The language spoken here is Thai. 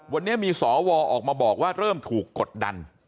วันนี้มีสวออกมาบอกว่าเริ่มถูกกดดัน